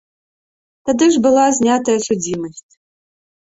Тады ж была знятая судзімасць.